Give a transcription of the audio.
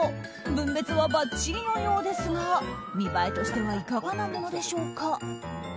分別は、ばっちりのようですが見栄えとしてはいかがなものでしょうか。